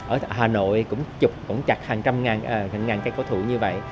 ở hà nội cũng chặt hàng trăm ngàn cây cổ thụ như vậy